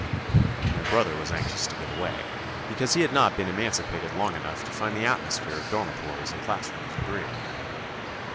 My brother was anxious to get away, because he had not been emancipated long enough to find the atmosphere of dormitories and class rooms agreeable.